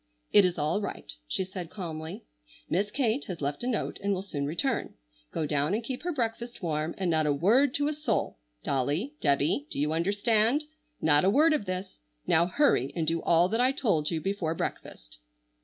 "It is all right!" she said calmly. "Miss Kate has left a note, and will soon return. Go down and keep her breakfast warm, and not a word to a soul! Dolly, Debby, do you understand? Not a word of this! Now hurry and do all that I told you before breakfast."